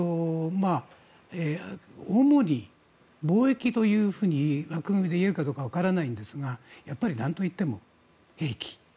主に貿易というふうに枠組みでいうかどうかわからないんですがなんといっても兵器。